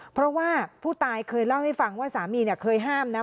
เพราะว่าผู้ตายเคยเล่าให้ฟังว่าสามีเนี่ยเคยห้ามนะ